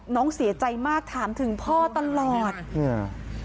น้องเสียใจมากถามถึงพ่อตลอดอืม